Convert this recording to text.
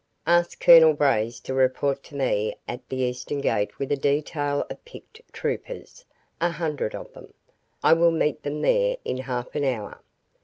"Ask Colonel Braze to report to me at the eastern gate with a detail of picked troopers a hundred of them. I will meet him there in half an hour."